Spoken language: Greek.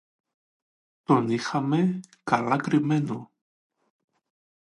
Τον είχαμε καλά κρυμμένο